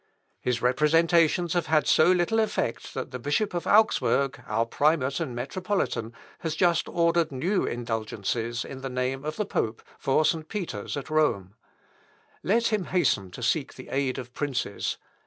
His representations have had so little effect, that the Bishop of Augsburg, our primate and metropolitan, has just ordered new indulgences, in the name of the pope, for St. Peter's at Rome. Let him hasten to seek the aid of princes.